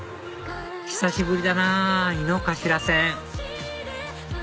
久しぶりだなぁ井の頭線